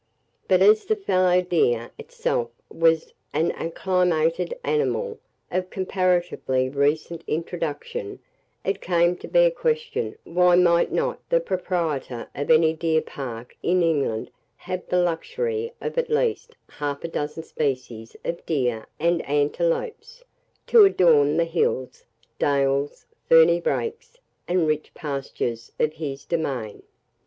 But as the fallow deer itself was an acclimated animal, of comparatively recent introduction, it came to be a question why might not the proprietor of any deer park in England have the luxury of at least half a dozen species of deer and antelopes, to adorn the hills, dales, ferny brakes, and rich pastures of his domain?